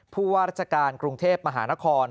ผู้ว่าราชการกรุงเทพมหานคร